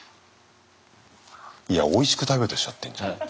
いやおいしく食べようとしちゃってんじゃん。